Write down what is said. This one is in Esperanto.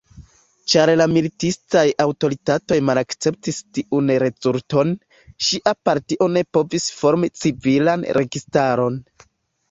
Ĉar la militistaj aŭtoritatoj malakceptis tiun rezulton, ŝia partio ne povis formi civilan registaron.